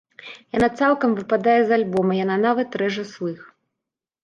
Яна цалкам выпадае з альбома, яна нават рэжа слых.